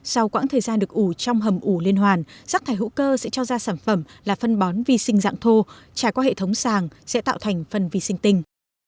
sau quãng thời gian được ủ trong hầm ủ liên hoàn rác thải hữu cơ sẽ cho ra sản phẩm là phân bón vi sinh dạng thô trải qua hệ thống sàng sẽ tạo thành phân vi sinh tinh